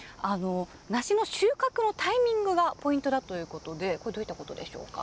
梨の収穫のタイミングがポイントだということでこれどういったことなんでしょうか。